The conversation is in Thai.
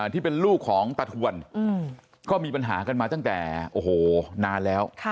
ที่เป็นลูกของตาทวนก็มีปัญหากันมาตั้งแต่โอ้โหนานแล้ว